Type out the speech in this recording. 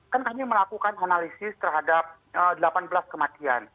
kan kami melakukan analisis terhadap delapan belas kematian